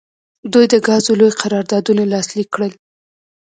دوی د ګازو لوی قراردادونه لاسلیک کړل.